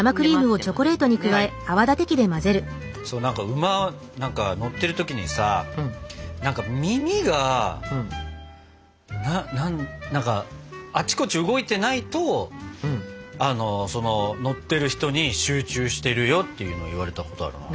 馬乗ってる時にさ何か耳が何かあっちこっち動いてないと乗ってる人に集中してるよっていうのを言われたことあるな。